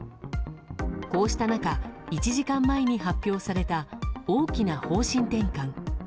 こうした中、１時間前に発表された大きな方針転換。